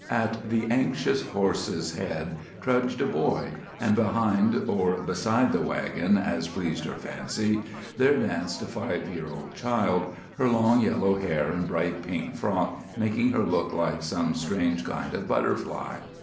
At the anxious horse's head trudged a boy; and behind or beside the wagon, as pleased her fancy, there danced a five year old child, her long yellow hair and bright pink frock making her look like some strange kind of butterfly.